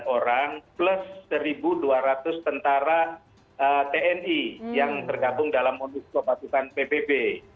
tiga puluh orang plus satu dua ratus tentara tni yang tergabung dalam modus pemasukan pbb